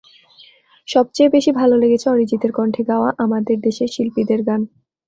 সবচেয়ে বেশি ভালো লেগেছে অরিজিতের কণ্ঠে গাওয়া আমাদের দেশের শিল্পীদের গান।